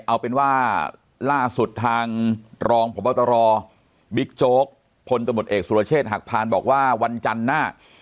เอาเป็นว่าล่าสุดทางรองพบตรบิ๊กโจ๊กพลตำรวจเอกสุรเชษฐ์หักพานบอกว่าวันจันทร์หน้า